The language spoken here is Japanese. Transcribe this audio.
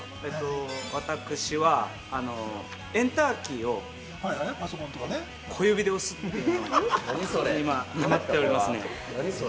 私はエンターキーを小指で押すことにハマっております。